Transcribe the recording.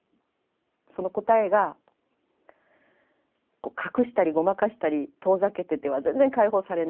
その答えがこう隠したりごまかしたり遠ざけてては全然解放されないと。